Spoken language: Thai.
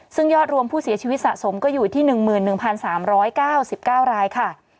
ซึ่งยอดรวมผู้เสียชีวิตสะสมก็อยู่ที่๑๑๓๙๙รายค่ะ